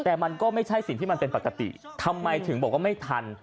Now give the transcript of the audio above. แต่มันก็ไม่ใช่สิ่งที่มันเป็นปกติทำไมถึงบอกว่าไม่ทัน